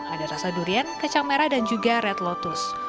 ada rasa durian kecang merah dan juga red lotus